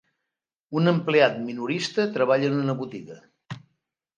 Un empleat minorista treballa en una botiga.